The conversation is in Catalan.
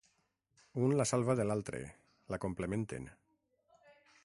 Un la salva de l'altre, la complementen.